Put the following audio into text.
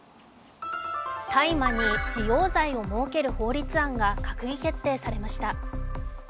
大麻に使用罪を設ける法律案が閣議決定しました。